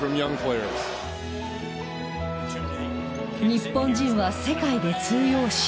「日本人は世界で通用しない」。